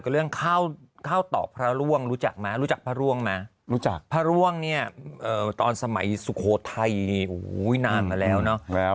เรื่องข้าวตอกพระร่วงรู้จักไหมรู้จักพระร่วงไหมรู้จักพระร่วงเนี่ยตอนสมัยสุโขทัยนานมาแล้วเนอะ